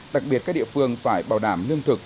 đặc biệt các địa phương phải bảo đảm lương thực